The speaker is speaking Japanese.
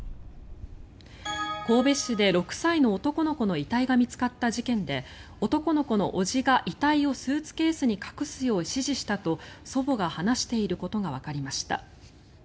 神戸市で６歳の男の子の遺体が見つかった事件で男の子の叔父が遺体をスーツケースに隠すよう指示したと祖母が話していることがわかりました。